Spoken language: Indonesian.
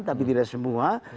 tapi tidak semua